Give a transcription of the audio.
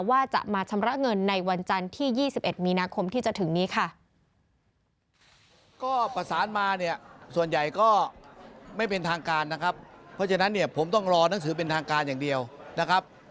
ว่าจะมาชำระเงินในวันจันทร์ที่๒๑มีนาคมที่จะถึงนี้ค่ะ